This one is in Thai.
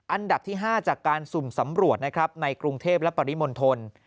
อันดับที่๕จากการสุ่มสำรวจนะครับในกรุงเทพและปริมณฑล